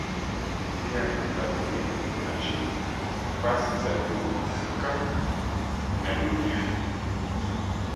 Pia hifadhi hizo zinashika nafasi za juu Afrika na duniani